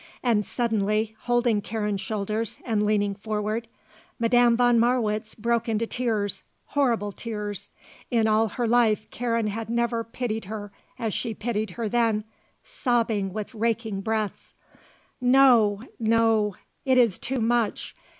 And suddenly, holding Karen's shoulders and leaning forward, Madame von Marwitz broke into tears, horrible tears in all her life Karen had never pitied her as she pitied her then sobbing with raking breaths: "No, no; it is too much.